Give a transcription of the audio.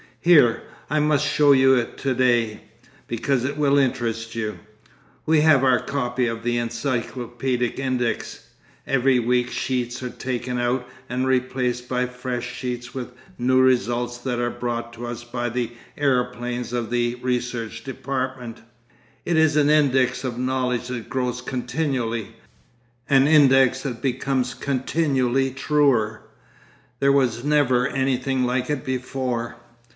Here—I must show you it to day, because it will interest you—we have our copy of the encyclopaedic index—every week sheets are taken out and replaced by fresh sheets with new results that are brought to us by the aeroplanes of the Research Department. It is an index of knowledge that grows continually, an index that becomes continually truer. There was never anything like it before.